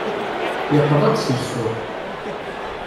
Yeqḍa-d seg ssuq.